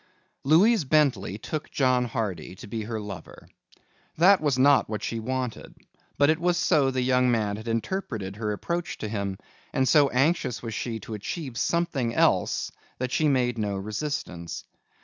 Louise Bentley took John Hardy to be her lover. That was not what she wanted but it was so the young man had interpreted her approach to him, and so anxious was she to achieve something else that she made no resistance.